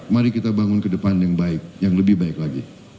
mari kita bangun ke depan yang baik yang lebih baik lagi